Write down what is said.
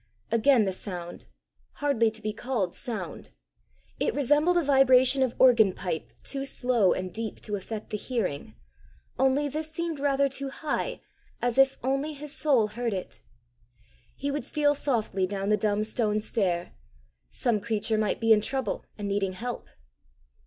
Again the sound hardly to be called sound! It resembled a vibration of organ pipe too slow and deep to affect the hearing; only this rather seemed too high, as if only his soul heard it. He would steal softly down the dumb stone stair! Some creature might be in trouble and needing help!